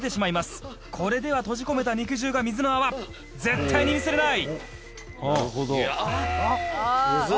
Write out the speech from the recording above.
「これでは閉じ込めた肉汁が水の泡」「絶対にミスれない！」